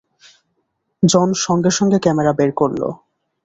জন সঙ্গে সঙ্গে ক্যামেরা বের করলো।